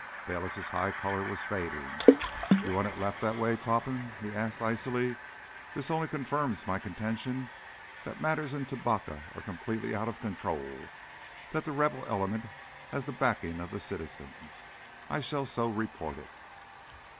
Bayliss' high color was fading. "You want it left that way, Topham?" he asked icily. "This only confirms my contention that matters in Tubacca are completely out of control, that the Rebel element has the backing of the citizens. I shall so report it."